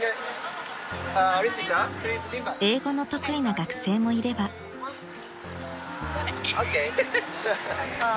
［英語の得意な学生もいれば］ＯＫ！